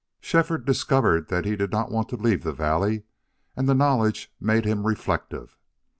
Shefford discovered that he did not want to leave the valley, and the knowledge made him reflective.